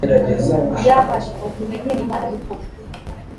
yh ngo tumenye imana y ukuri